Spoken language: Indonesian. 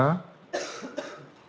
dan diberikan perawatan